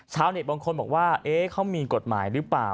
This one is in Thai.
เช้าบางคนบอกว่าเขามีกฎหมายรึเปล่า